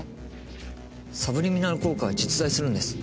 サブリミナル効果は実在するんです。